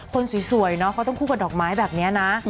คนสวยเนอะเขาต้องคู่กับดอกไม้แบบนี้นะ